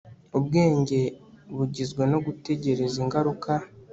ubwenge bugizwe no gutegereza ingaruka